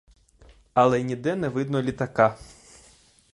Але ніде не видно літака.